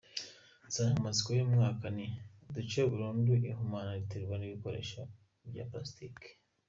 Insanganyamatsiko y’uyu mwaka ni “Duce burundu ihumana riterwa n’ibikoresho bya pulasitiki.